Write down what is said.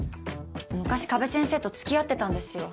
昔加部先生と付き合ってたんですよ